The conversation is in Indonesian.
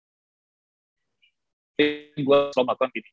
tapi gua selalu melakukan gitu